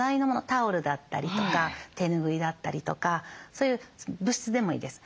タオルだったりとか手拭いだったりとかそういう物質でもいいです。